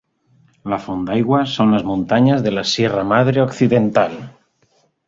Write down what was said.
La font d'aigua són les muntanyes de la Sierra Madre Occidental.